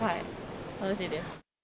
楽しいです。